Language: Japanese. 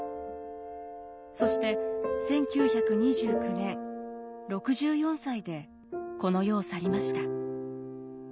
そして１９２９年６４歳でこの世を去りました。